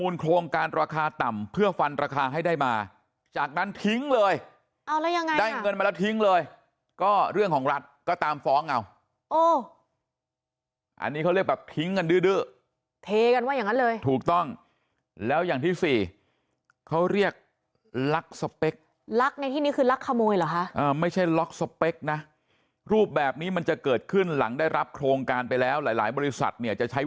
แล้วฟันราคาให้ได้มาจากนั้นทิ้งเลยได้เงินมาแล้วทิ้งเลยก็เรื่องของรัฐก็ตามฟ้องเอาอันนี้เขาเรียกแบบทิ้งกันดื้อเทกันว่าอย่างนั้นเลยถูกต้องแล้วอย่างที่สี่เขาเรียกลักสเปคลักในที่นี้คือลักขโมยหรอฮะไม่ใช่ลักสเปคนะรูปแบบนี้มันจะเกิดขึ้นหลังได้รับโครงการไปแล้วหลายบริษัทเนี่ยจะใช